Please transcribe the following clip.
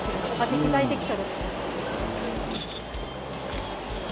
適材適所ですね。